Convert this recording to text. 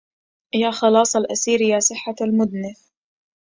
يا خلاص الأسير يا صحة المدنف